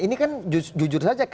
ini kan jujur saja